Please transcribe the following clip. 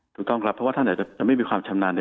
ถูกต้องครับเพราะท่านจะไม่มีความชำนาญ